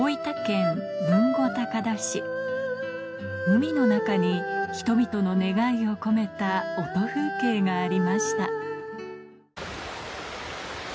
海の中に人々の願いを込めた音風景がありました